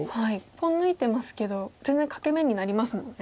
ポン抜いてますけど全然欠け眼になりますもんね。